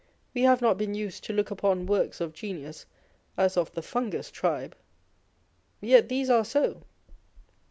We have not been used to look upon works of genius as of the fungus tribe. Yet these are so.